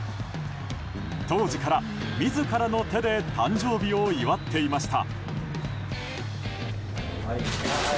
当時から、自らの手で誕生日を祝っていました。